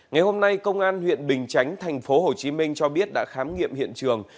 ngày hôm nay công an huyện bình chánh thành phố hồ chí minh cho biết đã khám nghiệm hiện trường